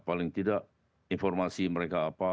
paling tidak informasi mereka apa